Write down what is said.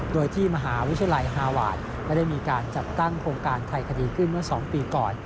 โดยที่มหาวิทยาลัยฮาวาสไม่ได้มีการจัดตั้งโครงการไทยคดีขึ้นเมื่อ๒ปีก่อน